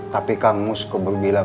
tapi kang mus keburu bilang